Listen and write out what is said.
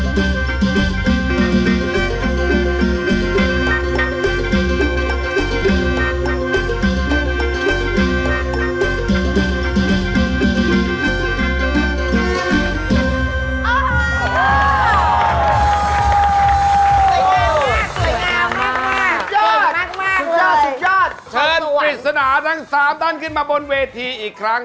เชิญฝีศาสตร์ทั้ง๓ต้านขึ้นมาบนเวทีอีกครั้ง